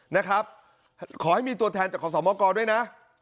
นะครับขอให้มีตัวแทนจากขอสมกรด้วยนะ